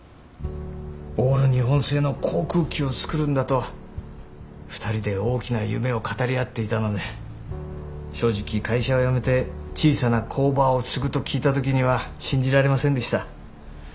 オール日本製の航空機を作るんだと２人で大きな夢を語り合っていたので正直会社を辞めて小さな工場を継ぐと聞いた時には信じられませんでした。